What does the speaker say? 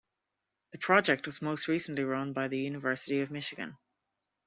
The project was most recently run by the University of Michigan.